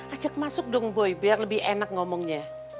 ajak masuk dong boy biar lebih enak ngomongnya